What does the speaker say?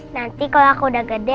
nanti kalau aku udah gede